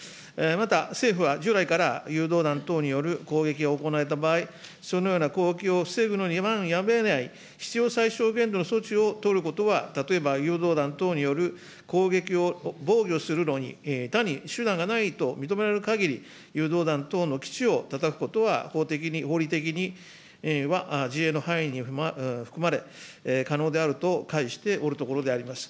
また、政府は従来から、誘導弾等による攻撃が行われた場合、そのようなを防ぐのにやむをえない、必要最小限度の措置を取ることは、例えば誘導弾等による攻撃を防御するのに他に手段がないと認められるかぎり、誘導弾等の基地をたたくことは、法的に自衛の範囲に含まれ、可能であると解しておるところであります。